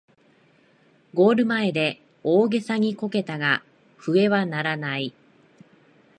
ゴール前で大げさにこけたが笛は鳴らない